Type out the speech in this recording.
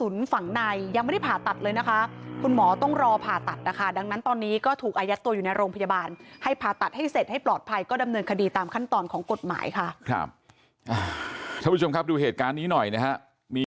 ยังไม่ได้ผ่าตัดเลยนะคะคุณหมอต้องรอผ่าตัดนะคะดังนั้นตอนนี้ก็ถูกอายัดตัวอยู่ในโรงพยาบาลให้ผ่าตัดให้เสร็จให้ปลอดภัยก็ดำเนินคดีตามขั้นตอนของกฎหมายค่ะค่ะท่านผู้ชมครับดูเหตุการณ์นี้หน่อยนะฮะมี